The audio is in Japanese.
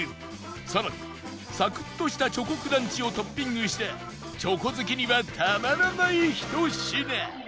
さらにサクッとしたチョコクランチをトッピングしたチョコ好きにはたまらないひと品